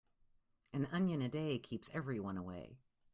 An onion a day keeps everyone away.